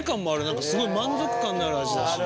何かすごい満足感のある味だし。